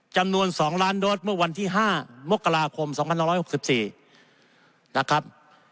จำนวน๒ล้านโดสเมื่อวันที่๕มกราคม๒๑๖๔นะครับ